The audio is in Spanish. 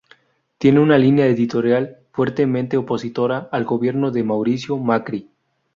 Tiene una línea editorial fuertemente opositora al gobierno de Mauricio Macri.